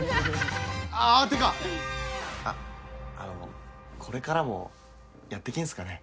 あってかあのこれからもやってけんすかね？